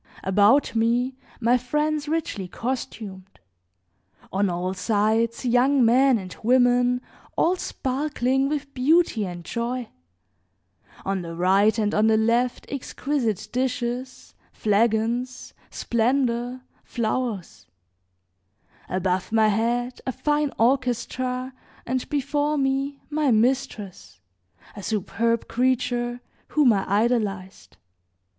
About me my friends richly costumed, on all sides young men and women, all sparkling with beauty and joy; on the right and on the left exquisite dishes, flagons, splendor, flowers; above my head a fine orchestra, and before me my mistress, a superb creature, whom I idolized.